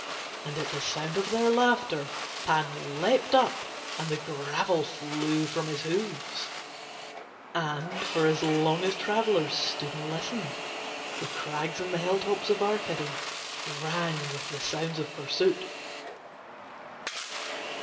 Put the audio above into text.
And at the sound of their laughter Pan leaped up and the gravel flew from his hooves. And, for as long as the travellers stood and listened, the crags and the hill tops of Arcady rang with the sounds of pursuit.